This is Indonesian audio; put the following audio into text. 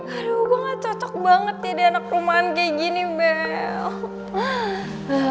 aduh gue nggak cocok banget ya di anak rumah kayak gini belle